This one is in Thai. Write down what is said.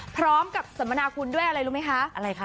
พร้อมกับสมณาคุณด้วยอะไรรู้มั้ยคะ